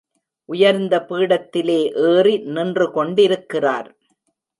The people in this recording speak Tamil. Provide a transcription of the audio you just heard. உயர்ந்த பீடத்திலே ஏறி நின்று கொண்டிருக்கிறார்.